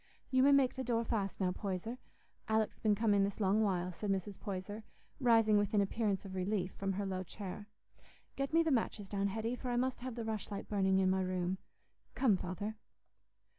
"You may make the door fast now, Poyser; Alick's been come in this long while," said Mrs. Poyser, rising with an appearance of relief from her low chair. "Get me the matches down, Hetty, for I must have the rushlight burning i' my room. Come, Father."